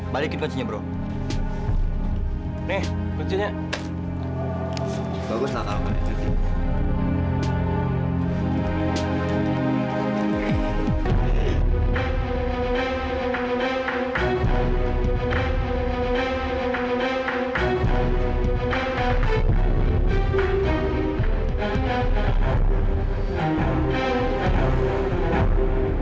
balikin ke mobil gua balikin ke sini bro nih kuncinya baguslah kamu